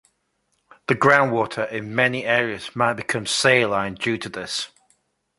The groundwater in many areas might become saline due to this.